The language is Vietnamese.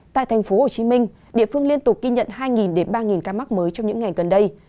tại tp hcm địa phương liên tục ghi nhận hai đến ba ca mắc mới trong những ngày gần đây